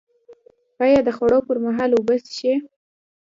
ایا د خوړو پر مهال اوبه څښئ؟